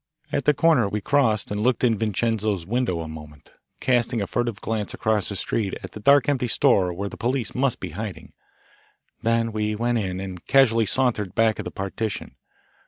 At the corner we crossed and looked in Vincenzo's window a moment, casting a furtive glance across the street at the dark empty store where the police must be hiding. Then we went in and casually sauntered back of the partition.